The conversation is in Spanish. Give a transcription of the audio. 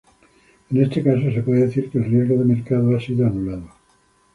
En este caso se puede decir que el riesgo de mercado ha sido anulado.